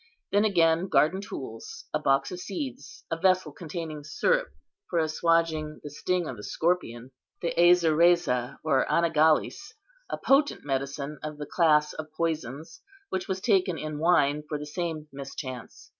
Then again, garden tools; boxes of seeds; a vessel containing syrup for assuaging the sting of the scorpion; the asir rese or anagallis, a potent medicine of the class of poisons, which was taken in wine for the same mischance.